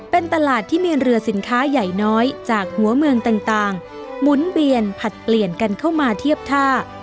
เป็นตลาดที่มีเรือสินค้าใหญ่น้อยจากหัวเมืองต่างหมุนเวียนผลัดเปลี่ยนกันเข้ามาเทียบท่า